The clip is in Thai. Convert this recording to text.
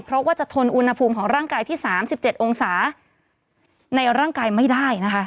เพราะว่าจะทนอุณหภูมิของร่างกายที่๓๗องศาในร่างกายไม่ได้นะคะ